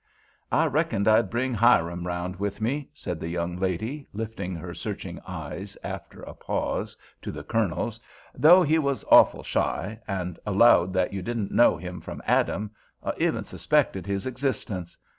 "I reckoned I'd bring Hiram round with me," said the young lady, lifting her searching eyes, after a pause, to the Colonel's, "though he was awful shy, and allowed that you didn't know him from Adam—or even suspected his existence.